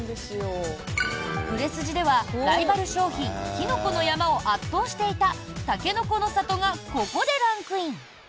売れ筋では、ライバル商品きのこの山を圧倒していたたけのこの里がここでランクイン。